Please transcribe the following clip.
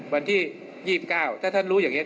วันที่๒๙ถ้าท่านรู้อย่างนี้